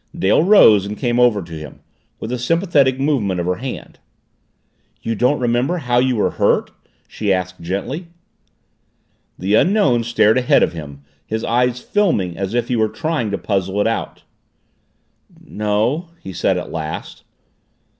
Dale rose, and came over to him, with a sympathetic movement of her hand. "You don't remember how you were hurt?" she asked gently. The Unknown stared ahead of him, his eyes filming, as if he were trying to puzzle it out. "No," he said at last.